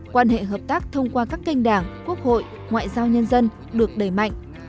quan hệ hợp tác thông qua các kênh đảng quốc hội ngoại giao nhân dân được đẩy mạnh